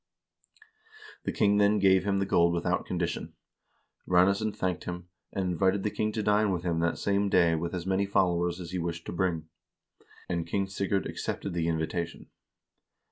The king then gave him the gold without condition. Ranesson thanked him, and invited the king to dine with him that same day with as many fol lowers as he wished to bring, and King Sigurd accepted the invita tion.